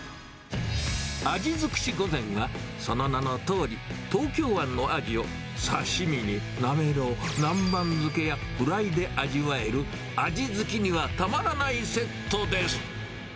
鯵尽くし御膳はその名のとおり、東京湾のアジを刺身になめろう、南蛮漬けやフライで味わえる、アジ好きにはたまらないセットです。